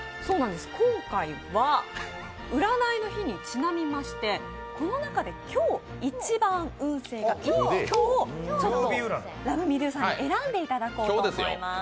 今回は占いの日にちなみましてこの中で今日一番運勢がいい人をＬｏｖｅＭｅＤｏさんに選んでいただこうと思います。